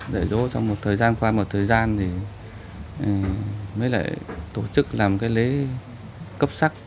dạy dỗ trong một thời gian qua một thời gian thì mới lại tổ chức làm cái lễ cấp sắc